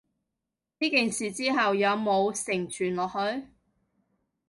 呢件事之後有無承傳落去？